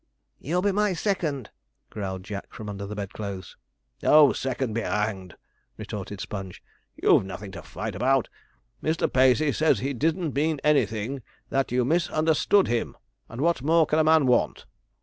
'You'll be my second,' growled Jack, from under the bedclothes. 'Oh! second be hanged,' retorted Sponge. 'You've nothing to fight about; Mr. Pacey says he didn't mean anything, that you misunderstood him, and what more can a man want?'